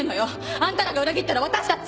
あんたらが裏切ったら私たち。